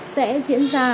sẽ diễn ra